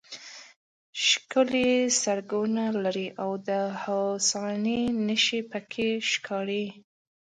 ښکلي سړکونه لري او د هوساینې نښې پکې ښکاري.